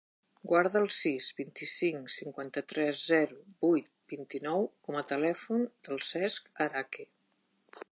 Guarda el sis, vint-i-cinc, cinquanta-tres, zero, vuit, vint-i-nou com a telèfon del Cesc Araque.